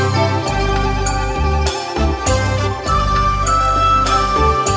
โชว์สี่ภาคจากอัลคาซ่าครับ